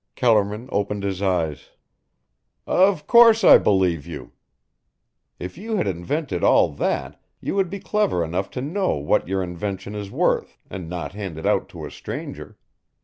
Kellerman opened his eyes. "Of course I believe you. If you had invented all that you would be clever enough to know what your invention is worth and not hand it out to a stranger.